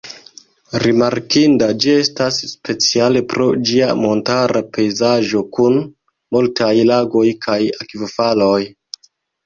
Rimarkinda ĝi estas speciale pro ĝia montara pejzaĝo kun multaj lagoj kaj akvofaloj.